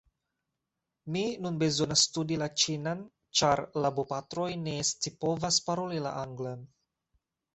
Mi nun bezonas studi la ĉinan ĉar la bopatroj ne scipovas paroli la anglan.